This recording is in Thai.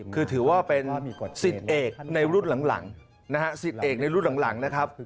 คือถือว่าเป็นสิทธิ์เอกในรุ่นหลังนะฮะสิทธิเอกในรุ่นหลังนะครับ